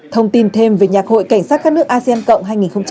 thông tin thêm về nhạc hội cảnh sát các nước asean cộng hai nghìn hai mươi